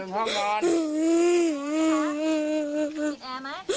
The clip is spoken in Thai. ห้องนอน